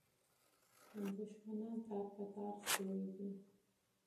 دښمنان تار په تار سوي دي.